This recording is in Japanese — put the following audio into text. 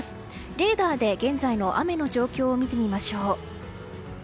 レーダーで現在の雨の状況を見てみましょう。